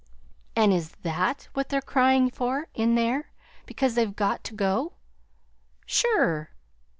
"And is THAT what they're crying for in there? because they've got to go?" "Sure!"